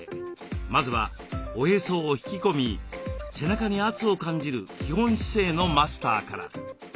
まずはおへそを引き込み背中に圧を感じる基本姿勢のマスターから。